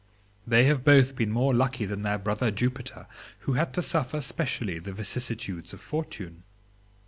They have both been more lucky than their brother Jupiter, who had to suffer specially the vicissitudes of fortune.